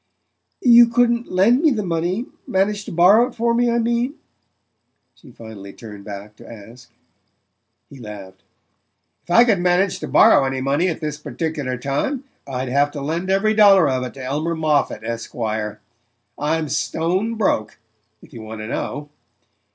"You couldn't lend me the money manage to borrow it for me, I mean?" she finally turned back to ask. He laughed. "If I could manage to borrow any money at this particular minute well, I'd have to lend every dollar of it to Elmer Moffatt, Esquire. I'm stone broke, if you want to know.